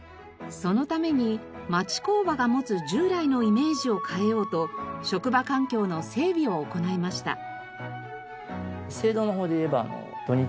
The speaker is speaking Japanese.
そのために町工場が持つ従来のイメージを変えようと職場環境の整備を行いました。